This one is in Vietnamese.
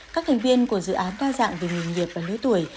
các thành viên của dự án đa dạng về nghề nghiệp và lứa tuổi